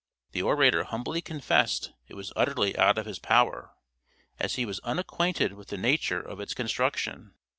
The orator humbly confessed it was utterly out of his power, as he was unacquainted with the nature of its construction.